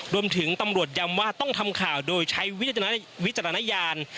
ตำรวจย้ำว่าต้องทำข่าวโดยใช้วิจารณญาณ